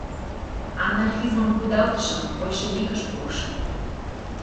Анархизмым кудалтышым, большевикыш пурышым.